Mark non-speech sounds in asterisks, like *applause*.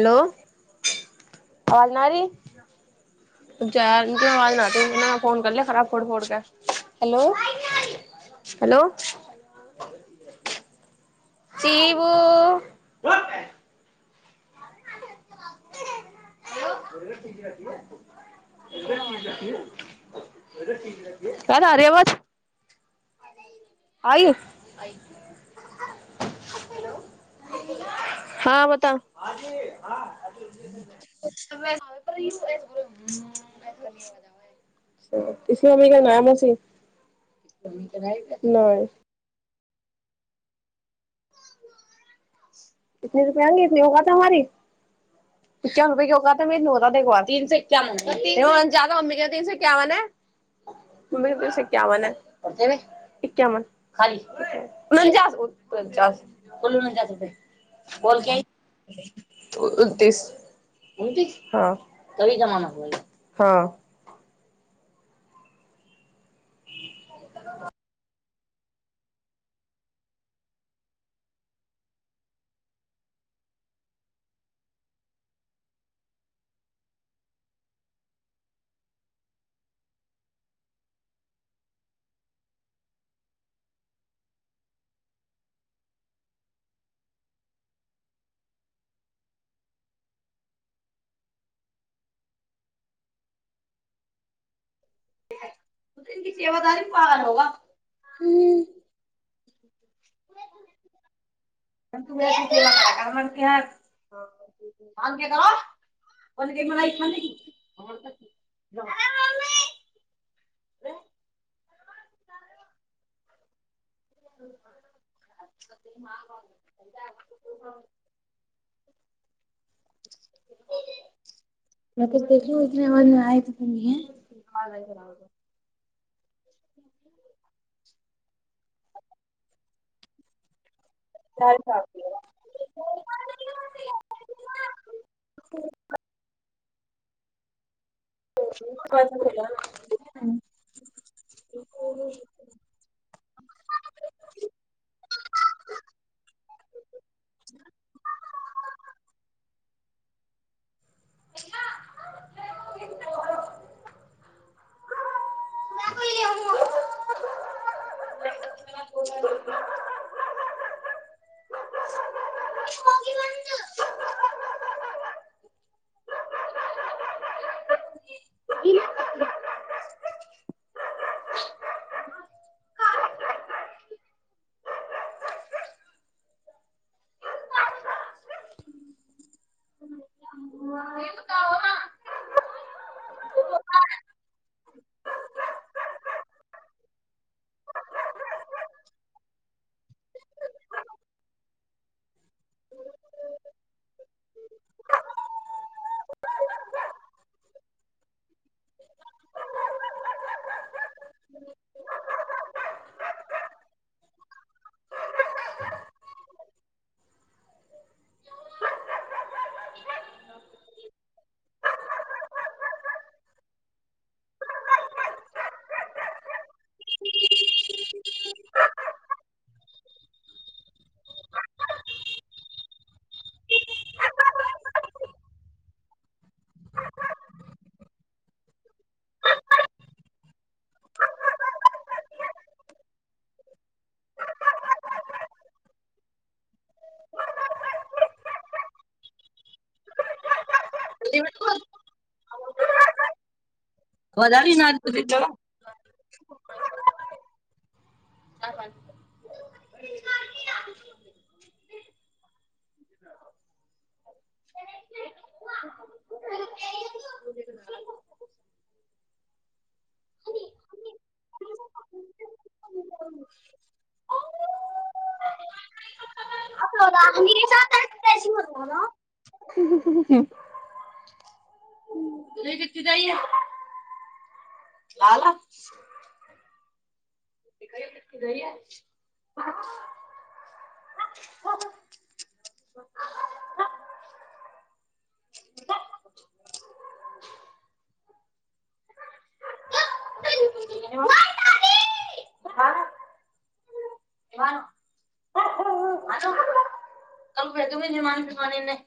hello पल नारी ज आवाज नहि त एना फोन कर ले खराब फोड़ फोड़ के हेलो हेलो चीबू ह किरे *inaudible* क आरे बाद आयौ हँ बता इसी मम्मी क नाम हो छै नैय *inaudible* *unintelligible* इकावन रुपए क्यो कह तऽ न देखा तीन से इ एकाावन जादा मम्मीे तीन से इ एकावनै *inaudible* मम्मी के पास एक्यावन एक्यावन खाली उनचास बल बोल उंतिस *unintelligible* हँ क जमा हँ *unintelligible* इ सेवादारी पालन होगा ह *inaudible* बेस *unintelligible* ओल क बनाइ खाँ लेगी अरे मम्मी *inaudible* *inaudible* *inaudible* देख उतने मनमे आय *unintelligible* *inaudible* अ *inaudible* *unintelligible* ई को *inaudible* *inaudible* तँ बद्रीनाथ मे च हू क जाइए लाला क दैय जमान जमानने